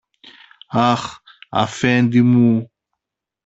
Αχ, Αφέντη μου!